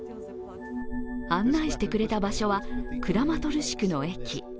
案内してくれた場所はクラマトルシクの駅。